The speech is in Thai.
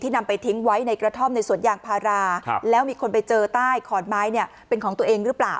นำไปทิ้งไว้ในกระท่อมในสวนยางพาราแล้วมีคนไปเจอใต้ขอนไม้เนี่ยเป็นของตัวเองหรือเปล่า